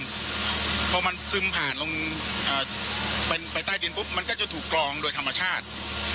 พอมันซึมผ่านลงไปใต้ดินปุ๊บมันก็จะถูกกรองโดยธรรมชาติ